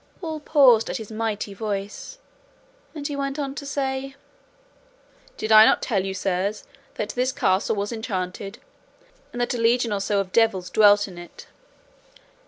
All paused at his mighty voice, and he went on to say, "Did I not tell you, sirs, that this castle was enchanted, and that a legion or so of devils dwelt in it?